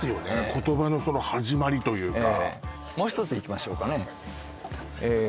言葉の始まりというかもう一ついきましょうかねえー